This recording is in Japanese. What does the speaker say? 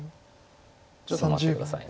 ちょっと待って下さい。